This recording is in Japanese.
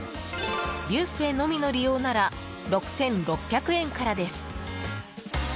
ビュッフェのみの利用なら６６００円からです。